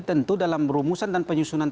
tentu dalam rumusan dan penyusunan